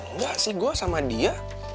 engga sih gua sama dia